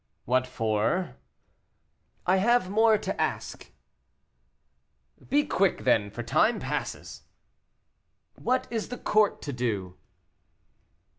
"What for?" "I have more to ask." "Be quick, then, for time passes." "What is the court to do?"